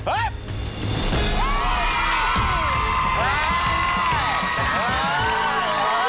เสาคำยันอาวุธิ